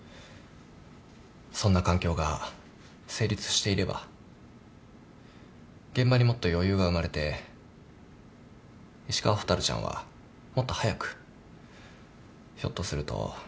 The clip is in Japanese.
そんな環境が成立していれば現場にもっと余裕が生まれて石川蛍ちゃんはもっと早くひょっとすると。